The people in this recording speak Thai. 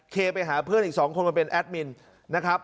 ไปหาเพื่อนอีก๒คนมาเป็นแอดมินนะครับ